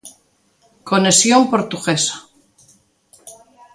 Conexión portuguesa.